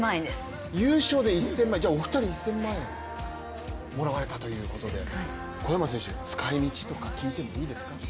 優勝で１０００万円ではお二人、１０００万円もらわれたということで小山選手、使いみちとか聞いてもいいですか？